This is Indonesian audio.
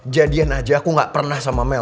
jadian aja aku gak pernah sama mel